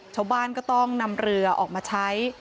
ชาวบ้านก็ต้องนำเรือออกมาใช้